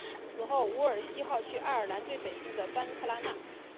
此后伍尔西号去爱尔兰最北部的班克拉纳。